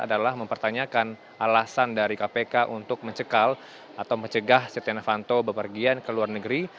adalah mempertanyakan alasan dari kpk untuk mencegah setia navanto berpergian ke luar negeri